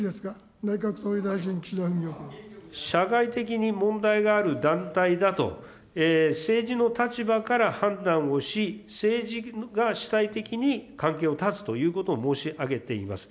社会的に問題がある団体だと、政治の立場から判断をし、政治が主体的に関係を断つということを申し上げています。